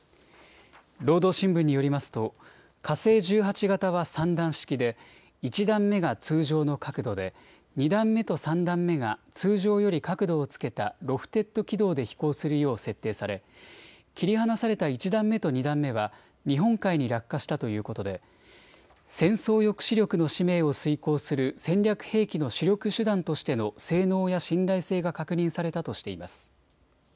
労働新聞によりますと火星１８型は３段式で１段目が通常の角度で、２段目と３段目が通常より角度をつけたロフテッド軌道で飛行するよう設定され切り離された１段目と２段目は日本海に落下したということで戦争抑止力の使命を遂行する戦略兵器の主力手段としての性能や信頼性が確認されたとしています。